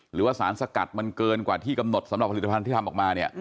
หรือว่าสารสกัดมันเกินกว่าที่กำหนดสำหรับผลิตภัณฑ์ที่ทำออกมาเนี่ย